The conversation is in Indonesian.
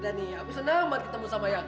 dania aku senang banget ketemu sama eyang